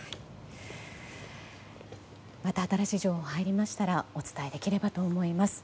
また新しい情報入りましたらお伝えできればと思います。